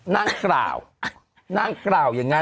นางกล่าวนางกล่าวอย่างนั้น